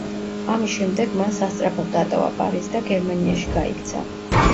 ამის შემდეგ მან სასწრაფოდ დატოვა პარიზი და გერმანიაში გაიქცა.